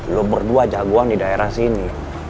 lo berdua jagoan di daerah sini